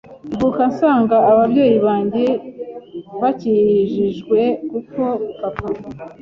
mvuka nsanga ababyeyi banjye bakijijwe kuko papa